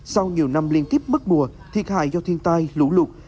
sau nhiều năm liên tiếp mất mùa thiệt hại do thiên tai lũ lụt